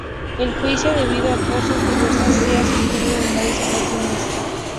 El juicio, debido a causas diversas, se ha suspendido en varias ocasiones.